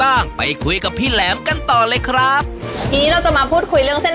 บ้างไปคุยกับพี่แหลมกันต่อเลยครับทีนี้เราจะมาพูดคุยเรื่องเส้น